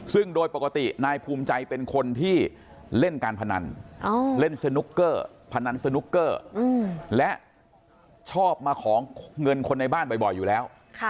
ซึ่งโดยปกตินายภูมิใจเป็นคนที่เล่นการพนันเล่นสนุกเกอร์พนันสนุกเกอร์และชอบมาขอเงินคนในบ้านบ่อยอยู่แล้ว